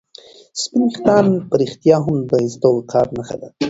سپین ویښتان په رښتیا هم د عزت او وقار نښه ده.